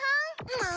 もう！